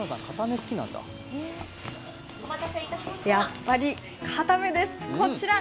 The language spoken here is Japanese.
やっぱりかためです、こちら。